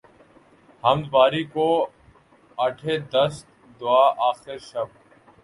حمد باری کو اٹھے دست دعا آخر شب